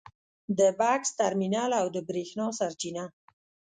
د بکس ترمینل او د برېښنا سرچینه